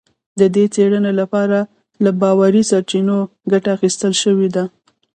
د دې څېړنې لپاره له باوري سرچینو ګټه اخیستل شوې ده